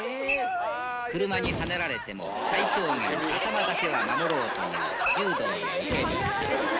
車にはねられても最小限、頭だけは守ろうという柔道の受け身。